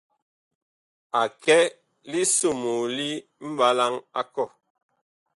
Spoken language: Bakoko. A kɛ lisomoo li mɓalaŋ a kɔh.